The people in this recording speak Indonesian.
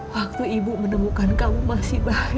waktu ibu menemukan kamu masih bayi